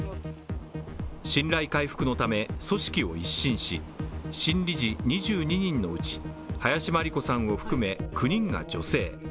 信頼回復のため組織を一新し、新理事２２人のうち林真理子さんを含め９人が女性。